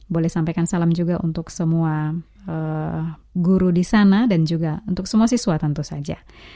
boleh sampaikan salam juga untuk semua guru di sana dan juga untuk semua siswa tentu saja